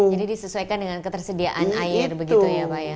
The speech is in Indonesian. jadi disesuaikan dengan ketersediaan air begitu ya pak ya